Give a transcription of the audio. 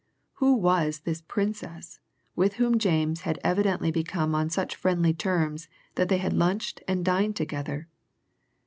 Who was this Princess with whom James had evidently become on such friendly terms that they had lunched and dined together?